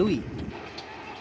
yang terakhir dilalui